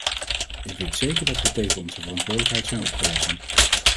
Ik weet zeker dat we tegen onze verantwoordelijkheid zijn opgewassen.